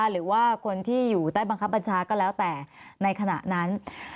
หรือว่าคนที่อยู่ใต้บังคับบัญชาก็แล้วแต่ในขณะนั้น